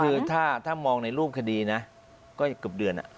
คือถ้ามองในรูปคดีนะก็เกือบเดือน